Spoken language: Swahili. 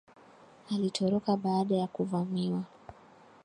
Alitoroka baada ya kuvamiwa